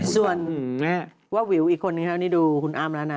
ส่วนว่าวิวอีกคนนึงครับนี่ดูคุณอ้ำแล้วนะ